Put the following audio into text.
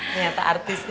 niatah artis gitu ya